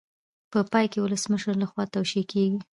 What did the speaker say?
په پای کې د ولسمشر لخوا توشیح کیږي.